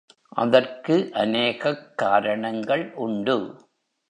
அதற்கு அநேகக் காரணங்கள் உண்டு.